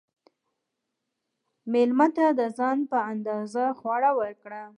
مېلمه ته د ځان په اندازه خواړه ورکړه.